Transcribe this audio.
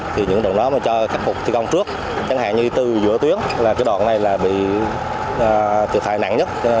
thì những đoạn đó mà cho khắc phục thi công trước chẳng hạn như đi từ giữa tuyến là cái đoạn này là bị thiệt hại nặng nhất